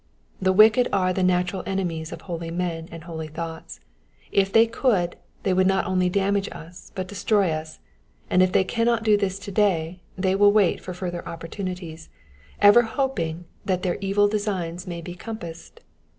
The wicked are the natural enemies of holy men and holy thoughts ; if they could, they would not only damage us but destroy us, and if they cannot do this to day they will wait for further opportunities, ever hoping that their evil designs may be compassed.